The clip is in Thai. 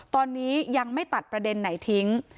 ตอนนี้ยังไม่ตัดประเด็นไหนทิ้ง